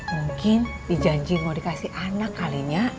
mungkin dijanji mau dikasih anak kalinya